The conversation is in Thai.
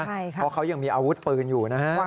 เพราะเขายังมีอาวุธปืนอยู่นะฮะ